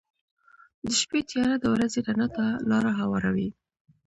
• د شپې تیاره د ورځې رڼا ته لاره هواروي.